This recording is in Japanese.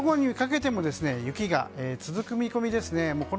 午後にかけても雪が続く見込みですね。